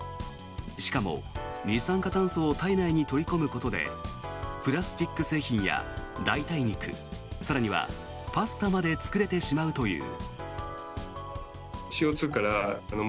しかも二酸化炭素を体内に取り込むことでプラスチック製品や代替肉更にはパスタまで作れてしまうという。